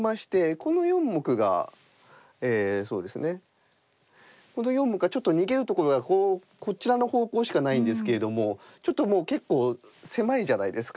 この４目がちょっと逃げるところがこうこちらの方向しかないんですけれどもちょっともう結構狭いじゃないですか。